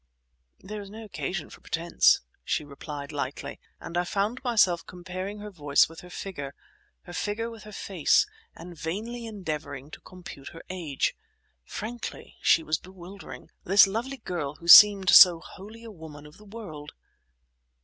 "There is no occasion for pretence," she replied lightly; and I found myself comparing her voice with her figure, her figure with her face, and vainly endeavouring to compute her age. Frankly, she was bewildering—this lovely girl who seemed so wholly a woman of the world.